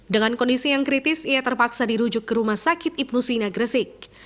dengan kondisi yang kritis ia terpaksa dirujuk ke rumah sakit ibnu sina gresik